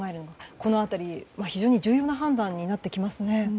この辺りは非常に重要な判断になってきますね。